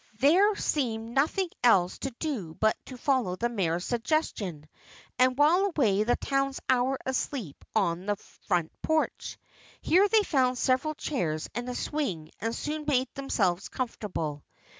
There seemed nothing else to do but to follow the Mayor's suggestion and while away the Town's hour of sleep on the front porch. Here they found several chairs and a swing and soon made themselves comfortable.